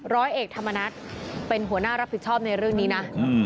ร้อยเอกธรรมนัฏเป็นหัวหน้ารับผิดชอบในเรื่องนี้นะ